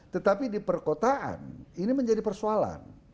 tetapi di perkotaan ini menjadi persoalan